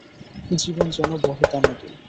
জীবন যেন বহতা নদী।